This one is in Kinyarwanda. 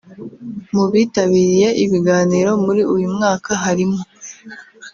Mu bitabiriye ibiganiro muri uyu mwaka harimo